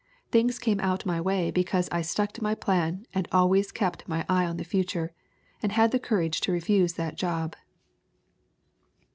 Things came out my way because I stuck to my plan and always kept my eye on the future and had the courage to refuse that job."